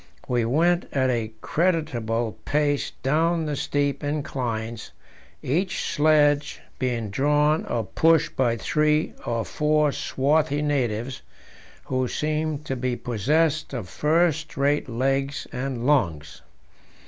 We went at a creditable pace down the steep inclines, each sledge being drawn or pushed by three or four swarthy natives, who seemed to be possessed of first rate legs and lungs.